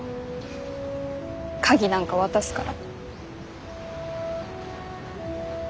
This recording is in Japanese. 鍵なんか渡すから。